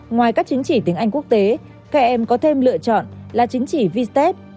ngoài các chứng chỉ tiếng anh quốc tế km có thêm lựa chọn là chứng chỉ vstep